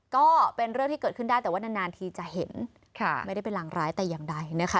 ก็เป็นเรื่องที่เกิดขึ้นได้แต่ว่านานทีจะเห็นค่ะไม่ได้เป็นรางร้ายแต่อย่างใดนะคะ